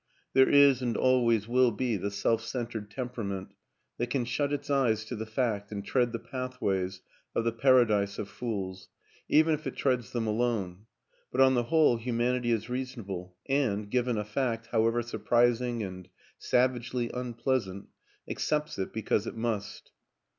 There is, and always will be, the self centered temperament that can shut its eyes to the fact and tread the pathways of the paradise of fools, even if it treads them alone ; but on the whole humanity is reason able and, given a fact, however surprising and savagely unpleasant, accepts it because it must.